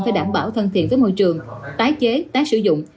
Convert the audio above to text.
phải đảm bảo thân thiện với môi trường tái chế tái sử dụng